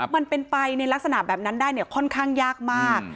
มันเป็นไปในลักษณะแบบนั้นได้เนี่ยค่อนข้างยากมาก